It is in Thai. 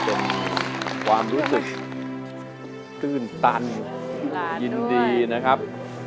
เป็นความรู้สึกตื้นตันยินดีนะครับ